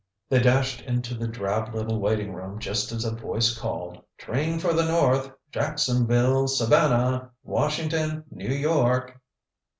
They dashed into the drab little waiting room just as a voice called: "Train for the north! Jacksonville! Savannah! Washington! New York!"